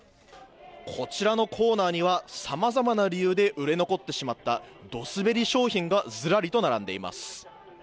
こちらのコーナーにはさまざまな理由で売れ残ってしまったどすべり商品がずらりと並んでいます。